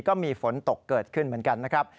ก็มีฝนตกเกิดขึ้นเหมือนกันนะครับ